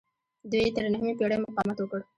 دوی تر نهمې پیړۍ مقاومت وکړ